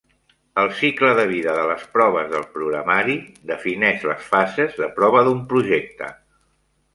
El cicle de vida de les proves del programari defineix les fases de prova d'un projecte.